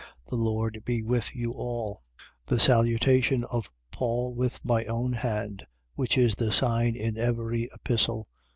The Lord be with you all. 3:17. The salutation of Paul with my own hand: which is the sign in every epistle.